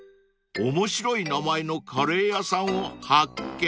［面白い名前のカレー屋さんを発見］